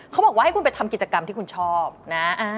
เขาบอกว่าให้คุณไปทำกิจกรรมที่คุณชอบนะ